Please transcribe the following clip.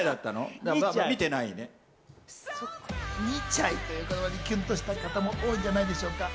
２ちゃいという言葉にキュンとなった方も多いんじゃないでしょうか。